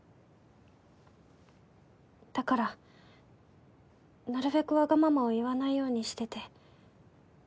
だからなるべくワガママを言わないようにしてて。